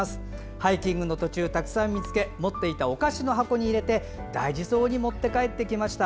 ハイキング中、たくさん見つけ持っていたお菓子の箱に入れて大事そうに持って帰ってきました。